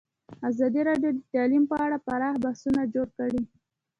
ازادي راډیو د تعلیم په اړه پراخ بحثونه جوړ کړي.